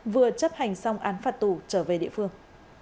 vừa chấp hành xong án phạt tù trở về địa phương